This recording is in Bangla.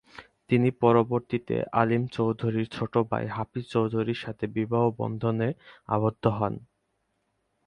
তিনি পরবর্তীতে আলীম চৌধুরীর ছোট ভাই হাফিজ চৌধুরীর সাথে বিবাহ বন্ধনে আবদ্ধ হন।